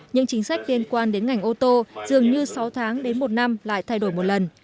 những chính sách liên quan đến ngành ô tô dường như sáu tháng đến một năm lại thay đổi một lần